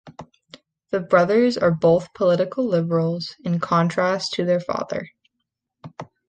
The brothers are both political liberals, in contrast to their father.